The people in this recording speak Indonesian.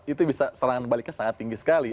itu bisa serangan baliknya sangat tinggi sekali